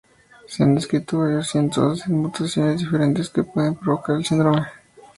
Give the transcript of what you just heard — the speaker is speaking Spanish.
Se han descrito varios cientos de mutaciones diferentes que pueden provocar el síndrome.